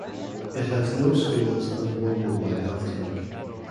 It has no schools and one mobile health clinic.